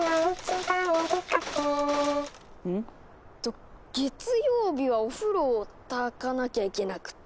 えっと月曜日はおふろを焚かなきゃいけなくて。